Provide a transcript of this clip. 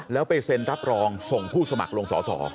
แล้วไปเซ็นรับรองส่งผู้สมัครลงสอสอ